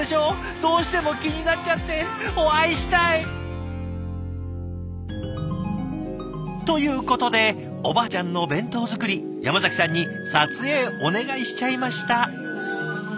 どうしても気になっちゃってお会いしたい！ということでおばあちゃんの弁当作り山崎さんに撮影お願いしちゃいました。